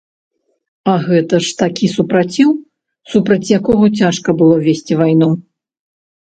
А гэта ж такі супраціў, супраць якога цяжка было весці вайну.